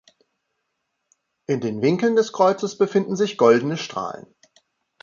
In den Winkeln des Kreuzes befinden sich goldene Strahlen.